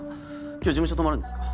今日事務所泊まるんですか？